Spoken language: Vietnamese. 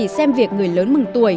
đến việc người lớn mừng tuổi